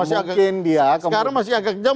sekarang masih agak jauh